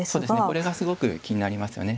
これがすごく気になりますよね。